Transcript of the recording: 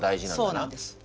そうそうなんです。